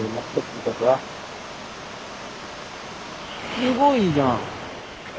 すごいじゃん。